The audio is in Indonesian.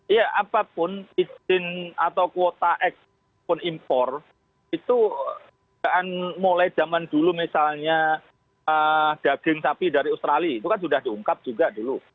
ya apapun izin atau kuota ekspor pun impor itu mulai zaman dulu misalnya daging sapi dari australia itu kan sudah diungkap juga dulu